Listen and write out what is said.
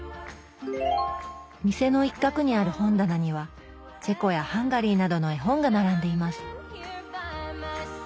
店の一角にある本棚にはチェコやハンガリーなどの絵本が並んでいます